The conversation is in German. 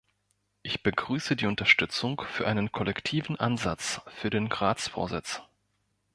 Ich begrüße die Unterstützung für einen kollektiven Ansatz für den Ratsvorsitz.